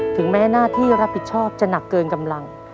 ถึงแม้หน้าที่รับผิดชอบจะหนักเกินกำลัง